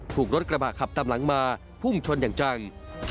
ถูกรถกระบะขับตามหลังมาพุ่งชนอย่างจัง